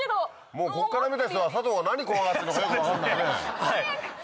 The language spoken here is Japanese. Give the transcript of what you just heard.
もうこっから見た人は佐藤が何怖がってんのか分かんないね。早く早く！